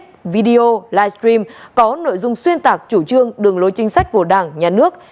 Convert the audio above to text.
video live stream có nội dung xuyên tạc chủ trương đường lối chính sách của đảng nhà nước